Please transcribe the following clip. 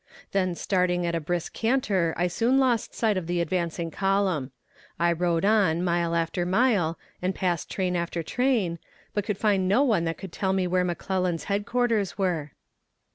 Then starting at a brisk canter I soon lost sight of the advancing column. I rode on mile after mile, and passed train after train, but could find no one that could tell me where McClellan's headquarters were.